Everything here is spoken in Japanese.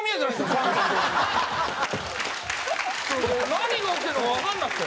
何が起きてるのかわかんなくて。